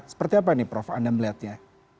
seperti apa nih prof anda melihatnya